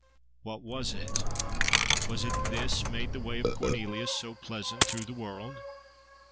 What was it?—Was it this made the way of Cornelius so pleasant through the world?